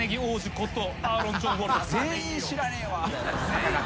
全員知らねえわ。